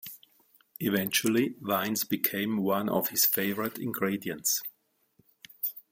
Eventually, wines became one of his favorite ingredients.